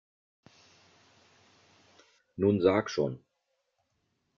Nun sag schon!